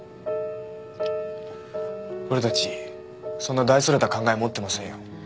俺たちそんな大それた考え持ってませんよ。